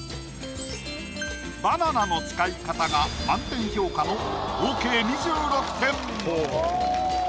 バナナの使い方が満点評価の合計２６点。